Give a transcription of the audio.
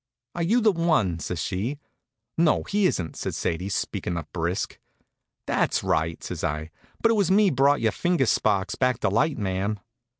"Are you the one?" says she. "No, he isn't," says Sadie, speakin' up brisk. "That's right," says I; "but it was me brought your finger sparks back to light, ma'am."